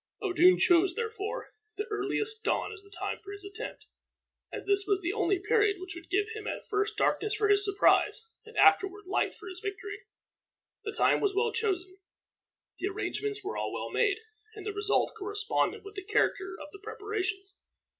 Odun chose, therefore, the earliest dawn as the time for his attempt, as this was the only period which would give him at first darkness for his surprise, and afterward light for his victory. The time was well chosen, the arrangements were all well made, and the result corresponded with the character of the preparations.